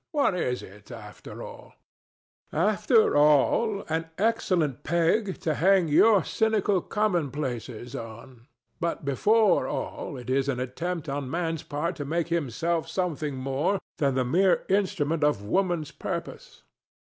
what is it, after all? DON JUAN. After all, an excellent peg to hang your cynical commonplaces on; but BEFORE all, it is an attempt on Man's part to make himself something more than the mere instrument of Woman's purpose.